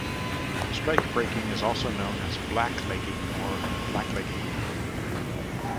Strikebreaking is also known as "black-legging" or "blacklegging".